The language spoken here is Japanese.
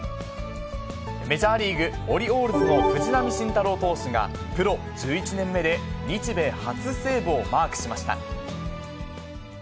メジャーリーグ・オリオールズの藤浪晋太郎投手が、プロ１１年目で日米初セーブをマークしました。